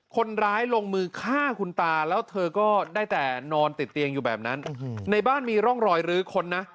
คนร้ายลงมือฆ่าคุณตาแล้วเธอก็ได้แต่นอนติดเตียงอยู่แบบนั้นในบ้านมีร่องรอยลื้อคนนะ